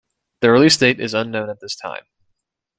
The release date is unknown at this time.